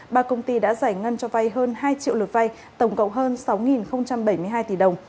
ba công ty đã giải ngân cho vay hơn hai triệu lượt vay tổng cộng hơn sáu bảy mươi hai tỷ đồng